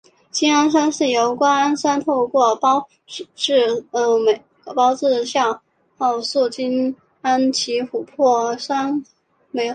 精氨酸是由瓜氨酸透过胞质酵素精氨基琥珀酸合酶合成。